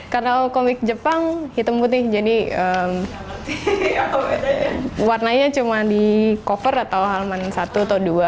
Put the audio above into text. karena komik jepang hitam putih jadi warnanya cuma di cover atau halaman satu atau dua